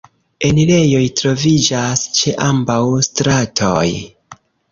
Enirejoj troviĝas ĉe ambaŭ stratoj.